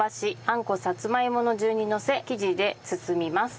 あんこさつまいもの順にのせ生地で包みます。